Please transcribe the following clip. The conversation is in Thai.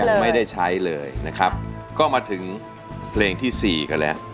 ไม่ได้ใช้เลยนะครับก็มาถึงเพลงที่สี่กันแล้ว